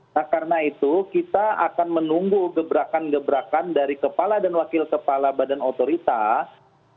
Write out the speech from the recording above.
nah karena itu kita akan menunggu gebrakan gebrakan dari kepala dan wakil kepala badan otoritas